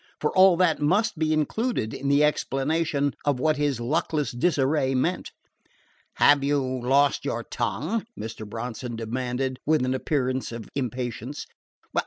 for all that must be included in the explanation of what his luckless disarray meant. "Have you lost your tongue?" Mr. Bronson demanded with an appearance of impatience.